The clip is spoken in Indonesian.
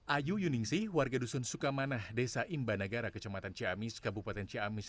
ayu yuningsih warga dusun sukamanah desa imbanagara kecamatan ciamis kabupaten ciamis